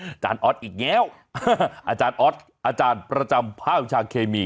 อาจารย์ออสอีกแล้วอาจารย์ออสอาจารย์ประจำภาควิชาเคมี